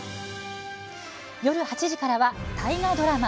夜８時からは大河ドラマ